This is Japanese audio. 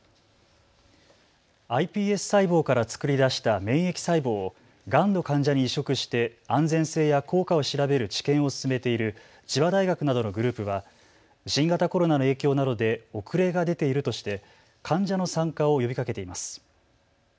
ｉＰＳ細胞から作り出した免疫細胞をがんの患者に移植して安全性や効果を調べる治験を進めている千葉大学などのグループは新型コロナの影響などで遅れが出ているとして患者の参加を呼びかけています。